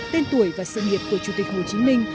tên tuổi và sự nghiệp của chủ tịch hồ chí minh